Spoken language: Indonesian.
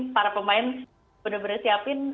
para pemain benar benar siapin